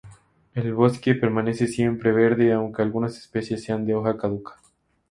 El bosque permanece siempre verde, aunque algunas especies sean de hoja caduca.